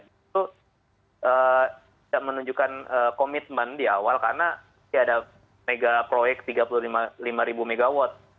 itu menunjukkan komitmen di awal karena ya ada megaproyek tiga puluh lima ribu megawatt